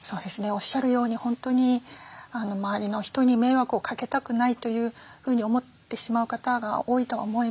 おっしゃるように本当に周りの人に迷惑をかけたくないというふうに思ってしまう方が多いとは思います。